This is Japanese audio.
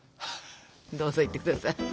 どうぞいってください。